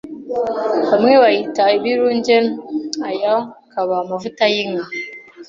Bamwe bayita ibirunge, aya kaba amavuta y’inka